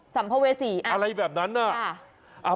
สัมภเวษีอะไรแบบนั้นน่ะ